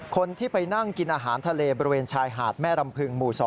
คนที่ไปนั่งกินอาหารทะเลบริเวณชายหาดแม่รำพึงหมู่๒